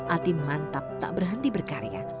atim mantap tak berhenti berkarya